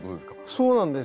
そうなんです。